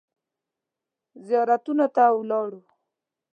زیارتونو ته ولاړو.